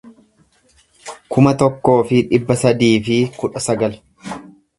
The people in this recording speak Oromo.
kuma tokkoo fi dhibba sadii fi kudha sagal